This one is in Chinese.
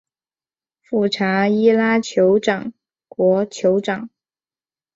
富查伊拉酋长国酋长